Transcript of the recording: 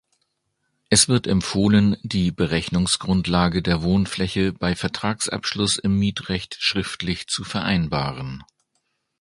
Es wird empfohlen die Berechnungsgrundlage der Wohnfläche bei Vertragsschluss im Mietrecht schriftlich zu vereinbaren.